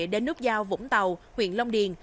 đến núp giao vũng tàu huyện long điền